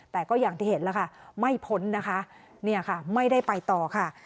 แต่ก็อย่างที่เห็นแล้วค่ะไม่พ้นนะคะเนี่ยค่ะไม่ได้ไปต่อค่ะ